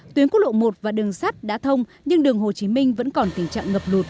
tuyến quốc lộ một và đường sắt đã thông nhưng đường hồ chí minh vẫn còn tình trạng ngập lụt